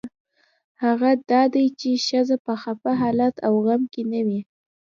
هغه دا دی چې ښځه په خپه حالت او غم کې نه وي.